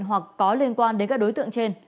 hoặc có liên quan đến các đối tượng